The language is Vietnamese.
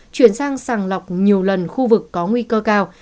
chuyển sang sàng lọc nhiều lần khu vực có nguy cơ cao